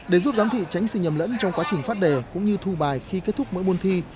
để giúp giám thị tránh sự nhầm lẫn trong quá trình phát đề cũng như thu bài khi kết thúc mỗi môn thi